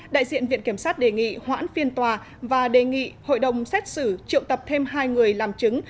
đại diện viện kiểm sát đề nghị hoãn phiên tòa và đề nghị hội đồng xét xử triệu tập thêm hai người làm chứng